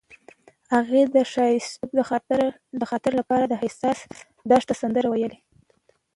هغې د ښایسته خاطرو لپاره د حساس دښته سندره ویله.